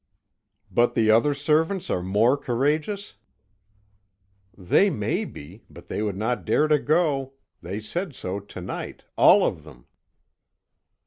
"But the other servants are more courageous?" "They may be, but they would not dare to go; they said so to night, all of them."